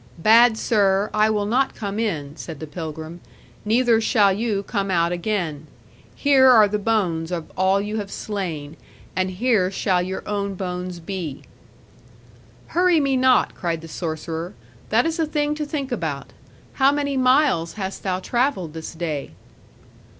'Bad sir, I will not come in,' said the pilgrim; 'neither shall you come out again. Here are the bones of all you have slain; and here shall your own bones be.' 'Hurry me not,' cried the sorcerer; 'that is a thing to think about. How many miles hast thou travelled this day?'